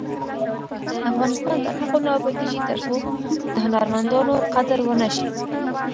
افغانستان تر هغو نه ابادیږي، ترڅو د هنرمندانو قدر ونشي.